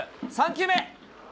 ３球目。